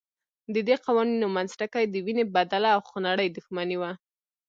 ددې قوانینو منځ ټکی د وینې بدله او خونړۍ دښمني وه.